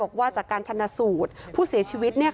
บอกว่าจากการชนะสูตรผู้เสียชีวิต